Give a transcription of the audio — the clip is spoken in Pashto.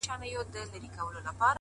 زور او زير مي ستا په لاس کي وليدی.